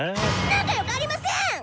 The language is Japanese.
仲良くありません！